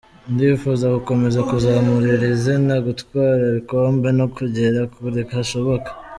Ndifuza gukomeza kuzamura iri zina, gutwara ibikombe no kugera kure hashoboka.